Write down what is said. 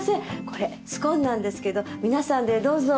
これスコーンなんですけど皆さんでどうぞ。